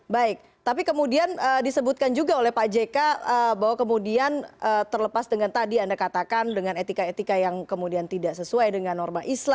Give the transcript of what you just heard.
baik tapi kemudian disebutkan juga oleh pak jk bahwa kemudian terlepas dengan tadi anda katakan dengan etika etika yang kemudian tidak sesuai dengan norma islam